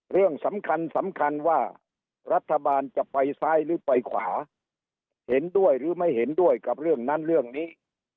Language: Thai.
เรื่องสำคัญสำคัญว่ารัฐบาลจะไปซ้ายหรือไปขวาเห็นด้วยหรือไม่เห็นด้วยกับเรื่องนั้นเรื่องนี้